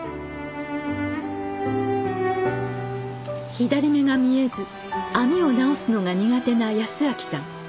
左目が見えず網を直すのが苦手な康明さん。